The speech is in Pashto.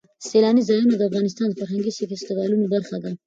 سیلانی ځایونه د افغانستان د فرهنګي فستیوالونو برخه ده.